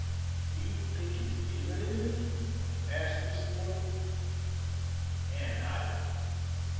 "Do you think it is an enemy?" asked Mrs. Morley. Anne nodded.